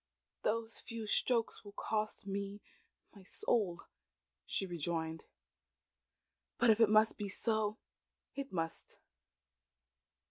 "Those few strokes will cost me my soul," she rejoined. "But if it must be so, it must.